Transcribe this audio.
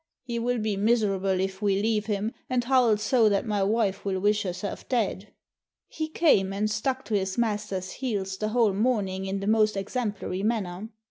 He will be mis erable if we leave him, and howl so that my wife will wish herself dead!" He came, and stuck to his master's heels the whole morning in the most exemplary manner.